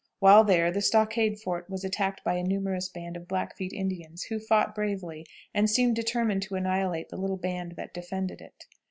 While there, the stockade fort was attacked by a numerous band of Blackfeet Indians, who fought bravely, and seemed determined to annihilate the little band that defended it.